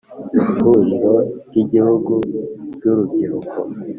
Ihuriro ry igihugu ry urubyiruko